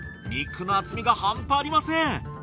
肉の厚みが半端ありません。